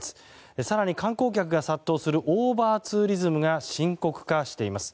更に観光客が殺到するオーバーツーリズムが深刻化しています。